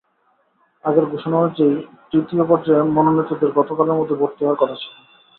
আগের ঘোষণা অনুযায়ী তৃতীয় পর্যায়ে মনোনীতদের গতকালের মধ্যে ভর্তি হওয়ার কথা ছিল।